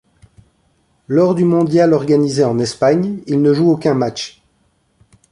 Lors du mondial organisé en Espagne, il ne joue aucun match.